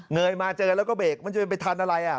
ยมาเจอแล้วก็เบรกมันจะเป็นไปทันอะไรอ่ะ